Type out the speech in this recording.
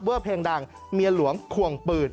เพลงดังเมียหลวงขวงปืน